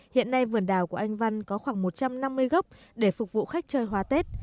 hiện nay vườn đào của anh văn có khoảng một trăm năm mươi gốc để phục vụ khách chơi hoa tết